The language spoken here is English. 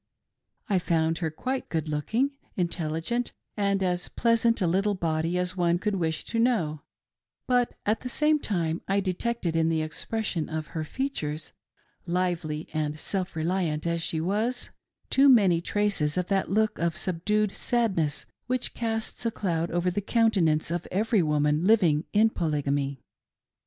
I found her quite good looking, intelligent, and as pleasant a little body as one could wish to know ; but, at the same time I detected in the expression of her features — lively and self reliant as she was — too many traces of that look of subdued sadness which casts a cloud over the countenance of every woman living in Polygamy.